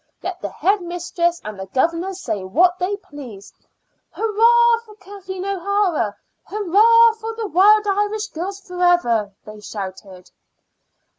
Let the head mistress and the governors say what they please." "Hurrah for Kathleen O'Hara! Hurrah for the Wild Irish Girls for ever!" they shouted.